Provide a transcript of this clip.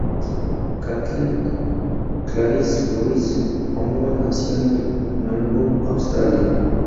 Kathleen Clarice Louise Cornwell nació el en Melbourne, Australia.